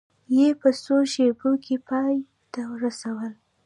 یې په څو شېبو کې پای ته رسوله.